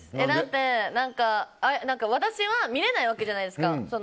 だって、私は見れないわけじゃないですか。